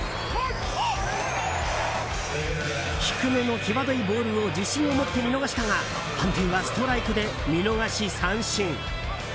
低めの際どいボールを自信を持って見逃したが判定はストライクで見逃し三振。